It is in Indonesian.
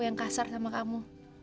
yang kasar sama kamu